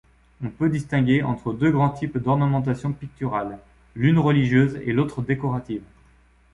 On peut distinguer entre deux grands types d’ornementation picturale, l’une religieuse et l’autre décorative.